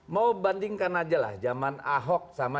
mau bandingkan aja lah zaman ahok gitu kan ya